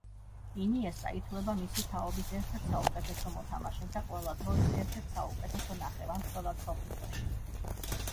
ინიესტა ითვლება მისი თაობის ერთ-ერთ საუკეთესო მოთამაშედ და ყველა დროის ერთ-ერთ საუკეთესო ნახევარმცველად მსოფლიოში.